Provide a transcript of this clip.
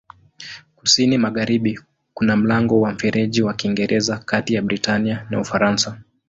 Kusini-magharibi kuna mlango wa Mfereji wa Kiingereza kati ya Britania na Ufaransa.